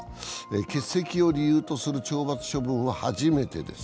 欠席を理由とする懲罰処分は初めてです。